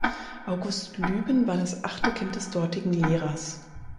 August Lüben war das achte Kind des dortigen Lehrers.